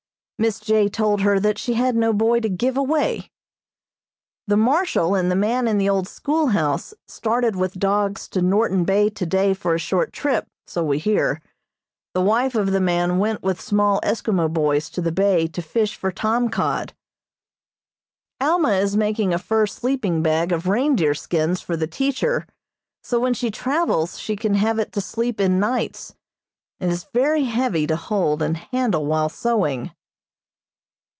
Miss J. told her that she had no boy to give away. The Marshal and the man in the old schoolhouse started with dogs to Norton Bay today for a short trip, so we hear. The wife of the man went with small Eskimo boys to the bay to fish for tom cod. Alma is making a fur sleeping bag of reindeer skins for the teacher, so when she travels she can have it to sleep in nights. It is very heavy to hold and handle while sewing.